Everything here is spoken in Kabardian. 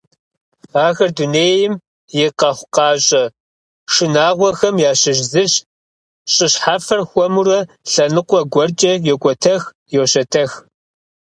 Ахэр дунейм и къэхъукъащӏэ шынагъуэхэм ящыщ зыщ, щӏы щхьэфэр хуэмурэ лъэныкъуэ гуэркӏэ йокӏуэтэх, йощэтэх.